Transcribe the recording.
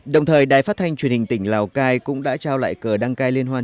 đồng thời đài phát thanh truyền hình tỉnh lào cai cũng đã trao lại cờ đăng cai liên hoan